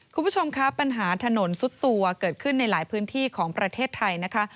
คุณผู้ชมครับปัญหาถนนซุดตัวเกิดขึ้นในหลายพื้นที่ของประเทศไทยนะคะ